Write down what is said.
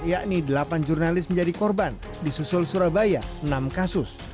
yakni delapan jurnalis menjadi korban di susul surabaya enam kasus